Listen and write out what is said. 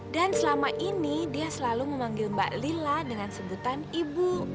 dan selama ini dia selalu memanggil mbak lila dengan sebutan ibu